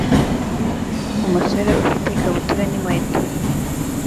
Umusore ufite ikabutura n'inkweto